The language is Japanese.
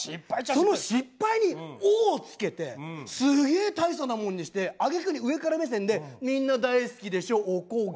その失敗に「お」を付けてすげえ大層なもんにしてあげくに上から目線で「みんな大好きでしょおこげ」